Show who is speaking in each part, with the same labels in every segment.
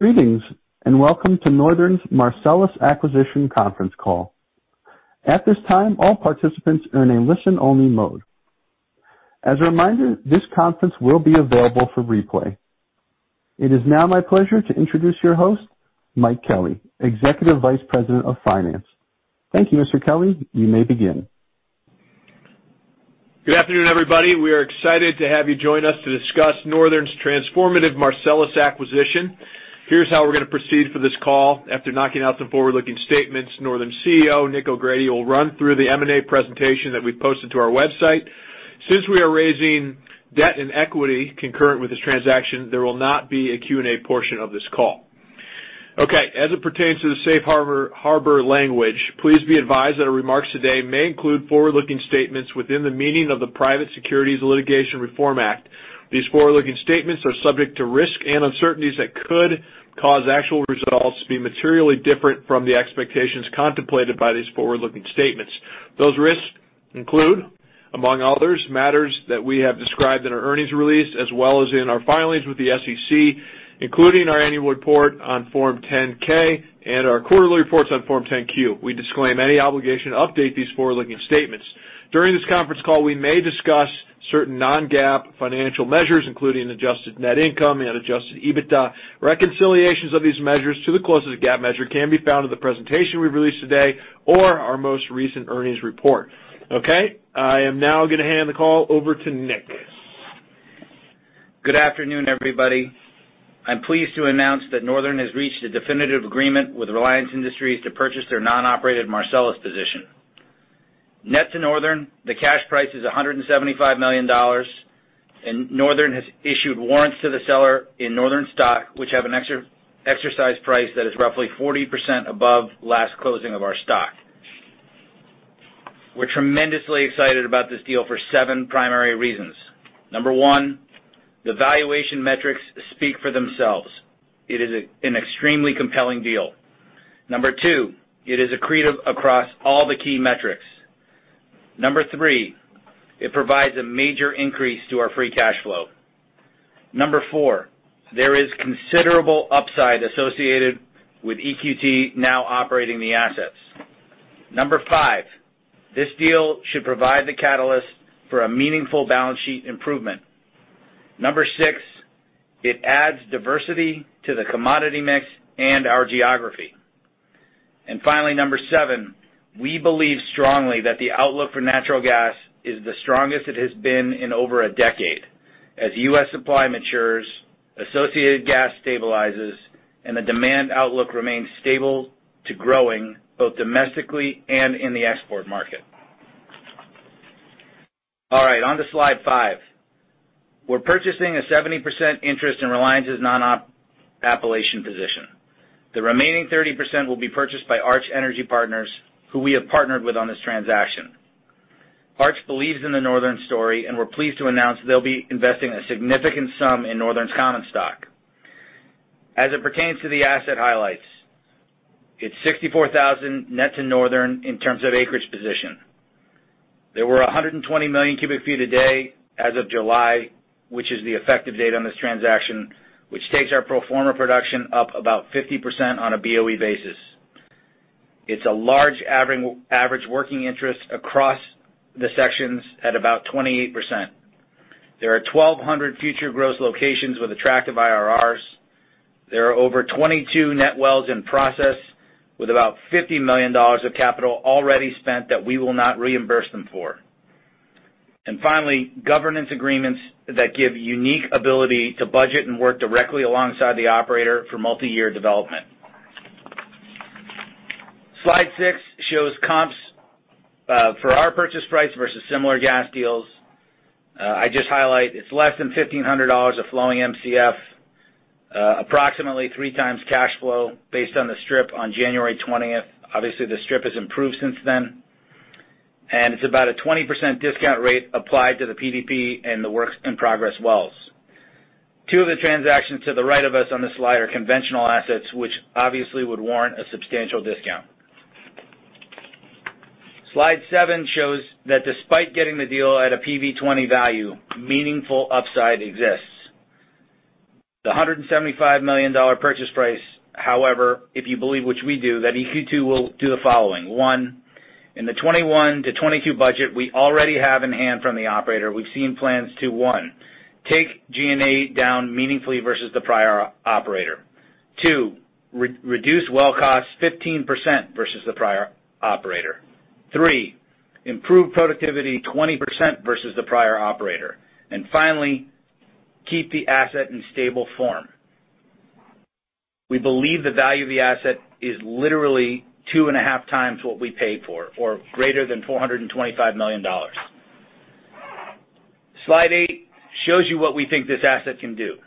Speaker 1: Greetings, and welcome to Northern's Marcellus Acquisition conference call. At this time, all participants are in a listen-only mode. As a reminder, this conference will be available for replay. It is now my pleasure to introduce your host, Mike Kelly, Executive Vice President of Finance. Thank you, Mr. Kelly. You may begin.
Speaker 2: Good afternoon, everybody. We are excited to have you join us to discuss Northern's transformative Marcellus acquisition. Here's how we're going to proceed for this call. After knocking out some forward-looking statements, Northern Chief Executive Officer Nick O'Grady will run through the M&A presentation that we posted to our website. Since we are raising debt and equity concurrent with this transaction, there will not be a Q&A portion of this call. As it pertains to the safe harbor language, please be advised that our remarks today may include forward-looking statements within the meaning of the Private Securities Litigation Reform Act. These forward-looking statements are subject to risks and uncertainties that could cause actual results to be materially different from the expectations contemplated by these forward-looking statements. Those risks include, among others, matters that we have described in our earnings release, as well as in our filings with the SEC, including our annual report on Form 10-K and our quarterly reports on Form 10-Q. We disclaim any obligation to update these forward-looking statements. During this conference call, we may discuss certain non-GAAP financial measures, including adjusted net income and adjusted EBITDA. Reconciliations of these measures to the closest GAAP measure can be found in the presentation we've released today or our most recent earnings report. Okay, I am now going to hand the call over to Nick.
Speaker 3: Good afternoon, everybody. I'm pleased to announce that Northern has reached a definitive agreement with Reliance Industries to purchase their non-operated Marcellus position. Net to Northern, the cash price is $175 million, and Northern has issued warrants to the seller in Northern stock, which have an exercise price that is roughly 40% above last closing of our stock. We're tremendously excited about this deal for seven primary reasons. Number one, the valuation metrics speak for themselves. It is an extremely compelling deal. Number two, it is accretive across all the key metrics. Number three, it provides a major increase to our free cash flow. Number four, there is considerable upside associated with EQT now operating the assets. Number five, this deal should provide the catalyst for a meaningful balance sheet improvement. Number six, it adds diversity to the commodity mix and our geography. Finally, number seven, we believe strongly that the outlook for natural gas is the strongest it has been in over a decade. As U.S. supply matures, associated gas stabilizes, and the demand outlook remains stable to growing both domestically and in the export market. All right, on to slide five. We're purchasing a 70% interest in Reliance's non-Appalachian position. The remaining 30% will be purchased by Arch Energy Partners, who we have partnered with on this transaction. Arch believes in the Northern story. We're pleased to announce they'll be investing a significant sum in Northern's common stock. As it pertains to the asset highlights, it's 64,000 net to Northern in terms of acreage position. There were 120 million cubic feet a day as of July, which is the effective date on this transaction, which takes our pro forma production up about 50% on a BOE basis. It's a large average working interest across the sections at about 28%. There are 1,200 future gross locations with attractive IRRs. There are over 22 net wells in process, with about $50 million of capital already spent that we will not reimburse them for. Finally, governance agreements that give unique ability to budget and work directly alongside the operator for multi-year development. Slide six shows comps for our purchase price versus similar gas deals. I just highlight it's less than $1,500 of flowing MCF, approximately 3x cash flow based on the strip on January 20th. Obviously, the strip has improved since then, and it's about a 20% discount rate applied to the PDP and the work-in-progress wells. Two of the transactions to the right of us on this slide are conventional assets, which obviously would warrant a substantial discount. Slide seven shows that despite getting the deal at a PV 20 value, meaningful upside exists. The $175 million purchase price, however, if you believe, which we do, that EQT will do the following. One, in the 2021 to 2022 budget we already have in hand from the operator, we've seen plans to, one, take G&A down meaningfully versus the prior operator. Two, reduce well cost 15% versus the prior operator. Three, improve productivity 20% versus the prior operator. Finally, keep the asset in stable form. We believe the value of the asset is literally 2.5x what we paid for it, or greater than $425 million. Slide eight shows you what we think this asset can do.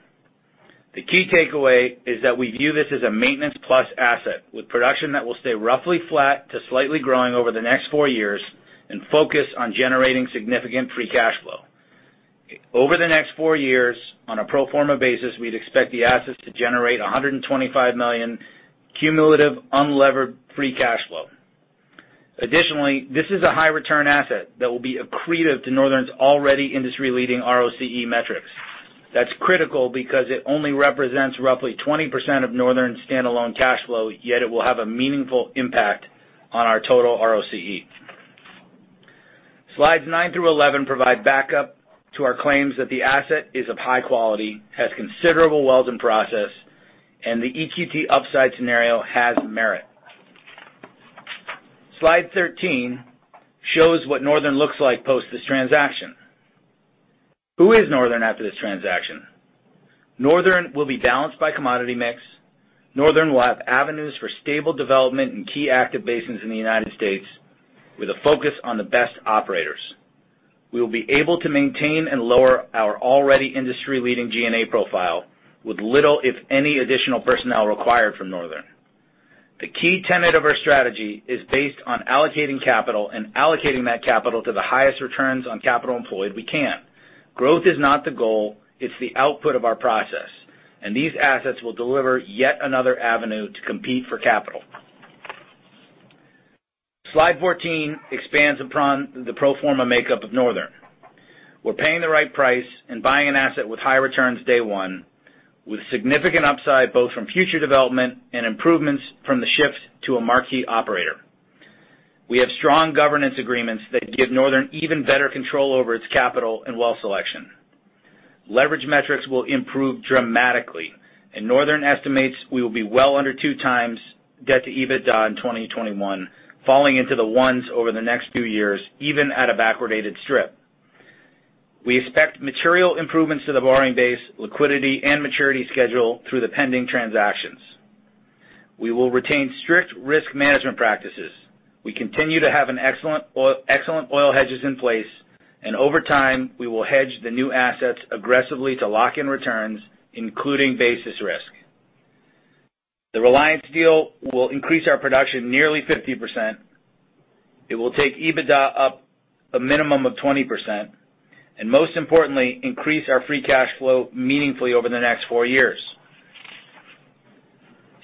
Speaker 3: The key takeaway is that we view this as a maintenance plus asset with production that will stay roughly flat to slightly growing over the next four years and focus on generating significant free cash flow. Over the next four years, on a pro forma basis, we'd expect the assets to generate $125 million cumulative unlevered free cash flow. Additionally, this is a high return asset that will be accretive to Northern's already industry leading ROCE metrics. That's critical because it only represents roughly 20% of Northern's standalone cash flow, yet it will have a meaningful impact on our total ROCE. Slides nine through 11 provide backup to our claims that the asset is of high quality, has considerable wells in process, and the EQT upside scenario has merit. Slide 13 shows what Northern looks like post this transaction. Who is Northern after this transaction? Northern will be balanced by commodity mix. Northern will have avenues for stable development in key active basins in the U.S., with a focus on the best operators. We will be able to maintain and lower our already industry leading G&A profile with little, if any, additional personnel required from Northern. The key tenet of our strategy is based on allocating capital and allocating that capital to the highest returns on capital employed we can. Growth is not the goal, it's the output of our process, and these assets will deliver yet another avenue to compete for capital. Slide 14 expands upon the pro forma makeup of Northern. We're paying the right price and buying an asset with high returns day one, with significant upside both from future development and improvements from the shift to a marquee operator. We have strong governance agreements that give Northern even better control over its capital and well selection. Leverage metrics will improve dramatically. Northern estimates we will be well under 2x debt to EBITDA in 2021, falling into the ones over the next few years, even at a backwardated strip. We expect material improvements to the borrowing base, liquidity, and maturity schedule through the pending transactions. We will retain strict risk management practices. We continue to have excellent oil hedges in place. Over time, we will hedge the new assets aggressively to lock in returns, including basis risk. The Reliance deal will increase our production nearly 50%. It will take EBITDA up a minimum of 20%. Most importantly, increase our free cash flow meaningfully over the next four years.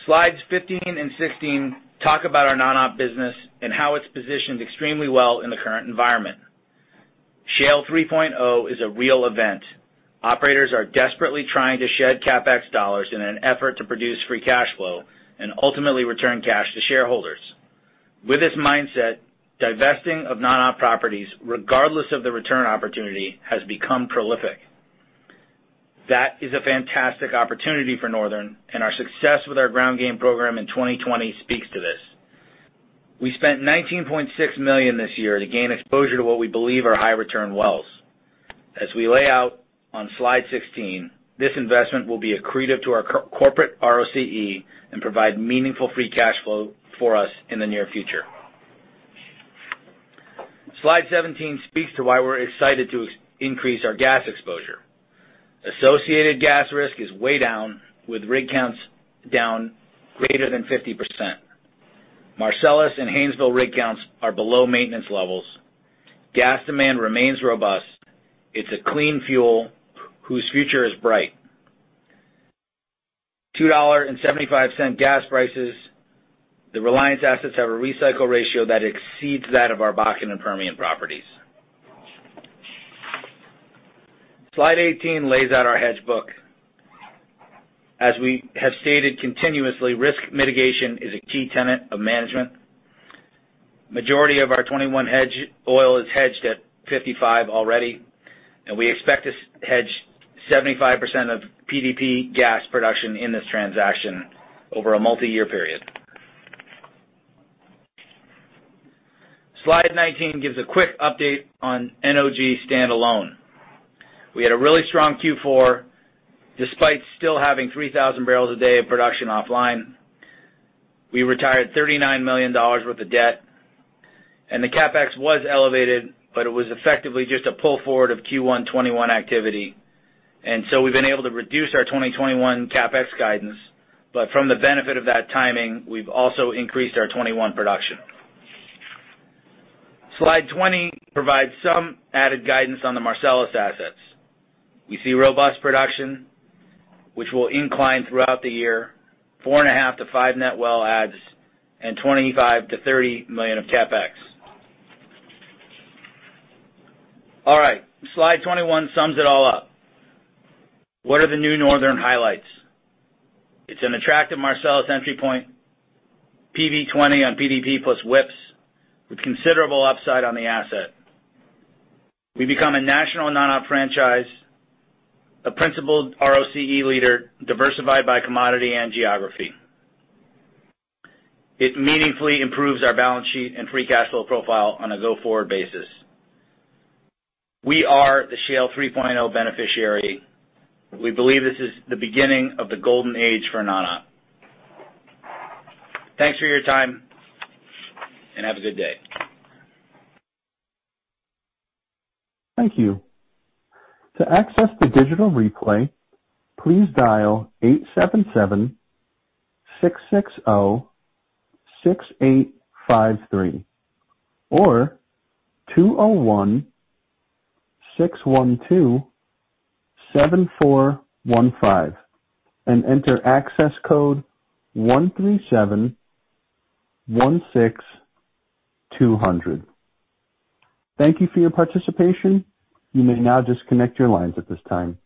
Speaker 3: Slides 15 and 16 talk about our non-op business and how it's positioned extremely well in the current environment. Shale 3.0 is a real event. Operators are desperately trying to shed CapEx dollars in an effort to produce free cash flow and ultimately return cash to shareholders. With this mindset, divesting of non-op properties, regardless of the return opportunity, has become prolific. That is a fantastic opportunity for Northern, and our success with our ground game program in 2020 speaks to this. We spent $19.6 million this year to gain exposure to what we believe are high return wells. As we lay out on slide 16, this investment will be accretive to our corporate ROCE and provide meaningful free cash flow for us in the near future. Slide 17 speaks to why we're excited to increase our gas exposure. Associated gas risk is way down, with rig counts down greater than 50%. Marcellus and Haynesville rig counts are below maintenance levels. Gas demand remains robust. It's a clean fuel whose future is bright. $2.75 gas prices. The Reliance assets have a recycle ratio that exceeds that of our Bakken and Permian properties. Slide 18 lays out our hedge book. As we have stated continuously, risk mitigation is a key tenet of management. Majority of our 2021 hedge oil is hedged at 55% already, and we expect to hedge 75% of PDP gas production in this transaction over a multi-year period. Slide 19 gives a quick update on NOG standalone. We had a really strong Q4, despite still having 3,000 barrels a day of production offline. We retired $39 million worth of debt, and the CapEx was elevated, but it was effectively just a pull forward of Q1 2021 activity. We've been able to reduce our 2021 CapEx guidance. From the benefit of that timing, we've also increased our 2021 production. Slide 20 provides some added guidance on the Marcellus assets. We see robust production, which will incline throughout the year, four and a half to five net well adds, and $25 million-$30 million of CapEx. All right. Slide 21 sums it all up. What are the new Northern highlights? It's an attractive Marcellus entry point. PV-20 on PDP plus WIPs with considerable upside on the asset. We become a national non-op franchise, a principled ROCE leader diversified by commodity and geography. It meaningfully improves our balance sheet and free cash flow profile on a go-forward basis. We are the Shale 3.0 beneficiary. We believe this is the beginning of the golden age for non-op. Thanks for your time, and have a good day.
Speaker 1: Thank you. Thank you for your participation. You may now disconnect your lines at this time.